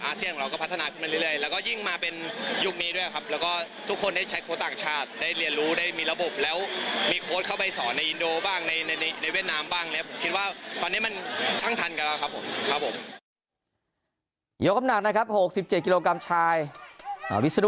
เซียนของเราก็พัฒนาขึ้นไปเรื่อยแล้วก็ยิ่งมาเป็นยุคนี้ด้วยครับแล้วก็ทุกคนได้ใช้โค้ชต่างชาติได้เรียนรู้ได้มีระบบแล้วมีโค้ดเข้าไปสอนในอินโดบ้างในในเวียดนามบ้างเนี่ยผมคิดว่าตอนนี้มันช่างทันกันแล้วครับผมครับผม